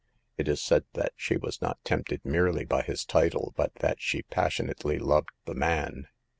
It is said that she was not tempted merely by his title, but that she passionately loved the man.